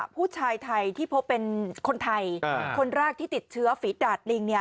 ผู้ชายไทยที่พบเป็นคนไทยคนแรกที่ติดเชื้อฝีดาดลิง